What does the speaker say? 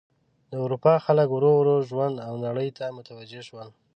د اروپا خلک ورو ورو ژوند او نړۍ ته متوجه شول.